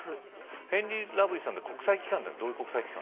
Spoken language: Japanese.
ヘンリー・ラブイスさんって国際機関ってのはどういう国際機関？